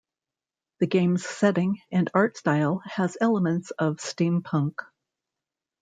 The game's setting and art style has elements of steampunk.